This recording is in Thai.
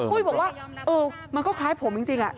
ปุ้ยบอกว่าเออมันก็คล้ายผมจริง